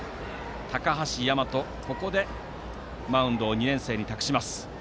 高橋大和、ここでマウンドを２年生に託します。